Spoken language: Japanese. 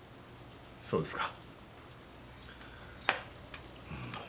そうですか。